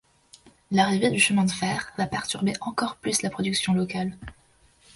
L'arrivée du chemin de fer va perturber encore plus la production locale.